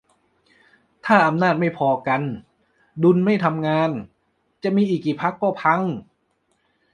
ถ้าอำนาจไม่พอกัน ดุลไม่ทำงาน จะมีอีกกี่พรรคก็พัง